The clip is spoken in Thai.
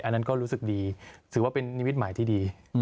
อันนั้นก็รู้สึกดีถือว่าเป็นนิมิตหมายที่ดี